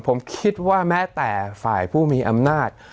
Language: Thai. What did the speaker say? ผมคิดว่าแม้แต่ฝ่ายผู้มีอำนาจ